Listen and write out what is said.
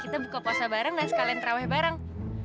kita buka puasa bareng dan sekalian terawih bareng